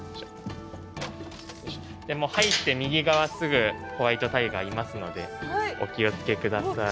入って右側すぐホワイトタイガーいますのでお気を付け下さい。